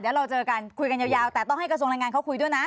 เดี๋ยวเราเจอกันคุยกันยาวแต่ต้องให้กระทรวงแรงงานเขาคุยด้วยนะ